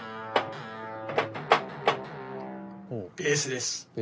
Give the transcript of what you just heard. ベースです。